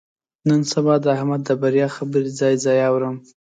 نن سبا د احمد د بریا خبرې ځای ځای اورم.